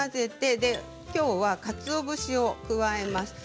今日はかつお節を加えます。